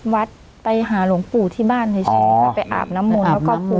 วัดไปหาหลวงปู่ที่บ้านอ๋อไปอาบน้ำมนแล้วก็อาบน้ำมน